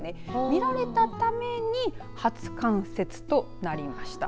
見られたために初冠雪となりました。